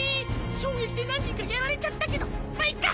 衝撃で何人かやられちゃったけどまっいっか！